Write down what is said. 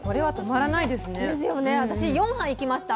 私４杯いきました